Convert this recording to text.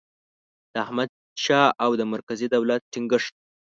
د احمدشاه او د مرکزي دولت ټینګیښت